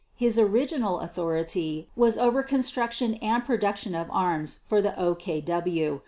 His original authority was over construction and production of arms for the OKW.